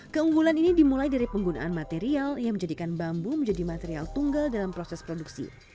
keunggulan ini dimulai dari penggunaan material yang menjadikan bambu menjadi material tunggal dalam proses produksi